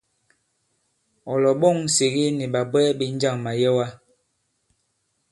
Ɔ̀ lɔ̀ɓɔ̂ŋ Nsège nì ɓàbwɛɛ ɓē njâŋ màyɛwa?